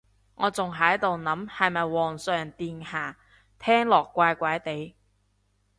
我仲喺度諗係咪皇上陛下，聽落怪怪哋